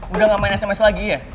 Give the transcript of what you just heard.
udah gak main sms lagi ya